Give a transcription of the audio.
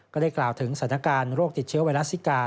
ก็ได้กล่าวถึงสถานการณ์โรคติดเชื้อไวรัสซิกา